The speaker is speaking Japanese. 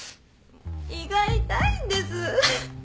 胃が痛いんです。